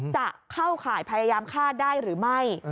จะเข้าข่ายพยายามฆ่าได้หรือไม่